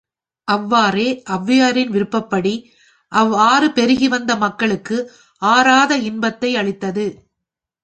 அவ்வாறே ஒளவையாரின் விருப்பப்படி, அவ் ஆறு பெருகி வந்த மக்களுக்கு ஆராத இன்பத்தை அளித்தது.